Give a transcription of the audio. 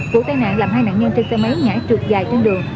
vụ tai nạn làm hai nạn nhân trên xe máy ngã trượt dài trên đường